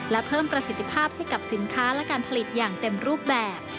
และเพิ่มประสิทธิภาพให้กับสินค้าและการผลิตอย่างเต็มรูปแบบ